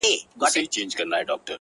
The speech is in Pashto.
بېزاره به سي خود يـــاره له جنگه ككـرۍ ـ